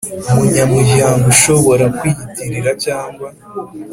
Munyamuryango ushobora kuwiyitirira cyangwa